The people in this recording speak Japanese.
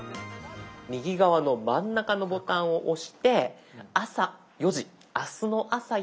右側の真ん中のボタンを押して「朝４時明日の朝４時に起こして」。